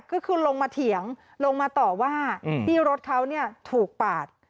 ก็คือลงมาเถียงลงมาต่อว่าที่รถเขาถูกปาด